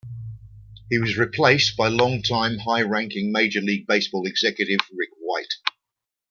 He was replaced by longtime high-ranking Major League Baseball executive Rick White.